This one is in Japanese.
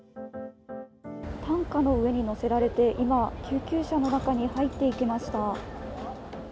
担架の上に乗せられて今、救急車の中に入っていきました。